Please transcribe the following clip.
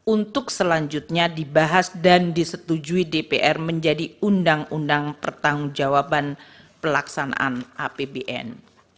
untuk selanjutnya dibahas dan disetujui dpr menjadi undang undang pertanggung jawaban pelaksanaan apbn